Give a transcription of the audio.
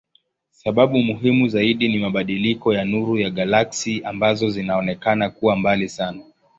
Sababu muhimu zaidi ni mabadiliko ya nuru ya galaksi ambazo zinaonekana kuwa mbali sana.